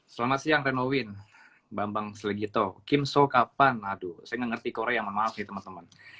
selamat siang renowin bambang slegito kim so kapan aduh saya ngerti korea maaf teman teman